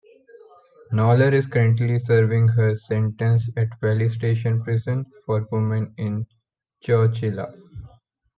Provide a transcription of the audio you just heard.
Knoller is currently serving her sentence at Valley State Prison for Women in Chowchilla.